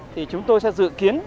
thì chúng tôi sẽ dự kiến